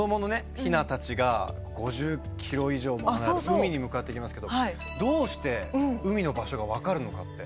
ヒナたちが５０キロ以上も離れた海に向かっていきますけどどうして海の場所が分かるのかって。